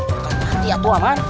kalau mati atu aman